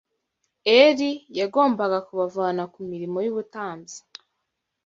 Eli yagombaga kubavana ku mirimo y’ubutambyi